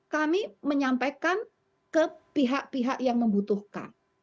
kami menyampaikan ke pihak pihak yang membutuhkan